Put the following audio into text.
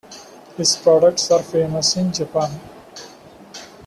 His products are famous in Japan.